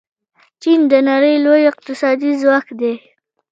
چین د نړۍ لوی اقتصادي ځواک دی.